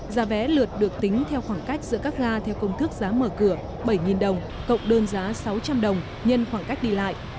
giá vé lượt được tính theo khoảng cách giữa các ga theo công thức giá mở cửa bảy đồng cộng đơn giá sáu trăm linh đồng nhân khoảng cách đi lại